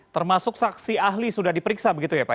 termasuk saksi ahli sudah diperiksa begitu ya pak